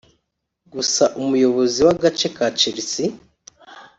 gusa umuyobozi w’agace ka Chelsea